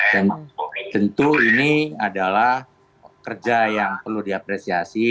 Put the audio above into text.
dan tentu ini adalah kerja yang perlu diapresiasi